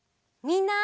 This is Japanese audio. みんな！